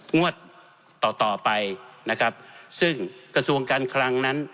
งวดต่อต่อไปนะครับซึ่งกระทรวงการคลังนั้น